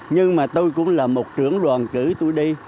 nhưng mà tôi cũng là một trưởng đoàn cử tôi đi